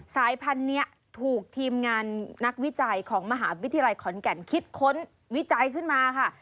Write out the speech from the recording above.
สายพันธุ์นี้ถูกทีมงานนักวิจัยของมหาวิทยาลัยขอนแก่นคิดค้นวิจัยขึ้นมาค่ะ